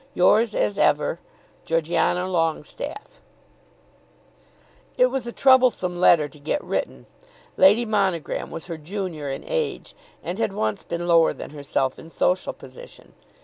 Yours, as ever, GEORGIANA LONGESTAFFE. It was a troublesome letter to get written. Lady Monogram was her junior in age and had once been lower than herself in social position.